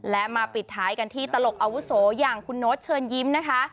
และมาปิดท้ายกันที่ตลกอาวุโสอย่างคุณโน๊ตเชิญยิ้มนะคะ